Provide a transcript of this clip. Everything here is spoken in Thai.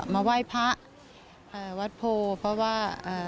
มาไหว้พระอ่าวัดโพเพราะว่า